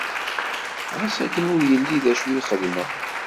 Ɣas akken ur illi d acu i xedmeɣ.